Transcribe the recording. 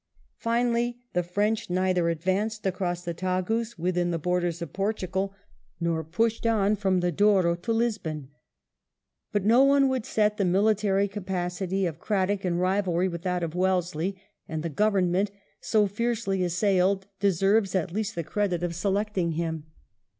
Finally, the French neither advanced across the Tagus within the borders of Portugal, nor pushed on from the Douro to Lisbon. But no one would set the military capacity of Cradock in rivalry with that of Wellesley, and the Government, so fiercely assailed, deserves at least the credit of selecting him.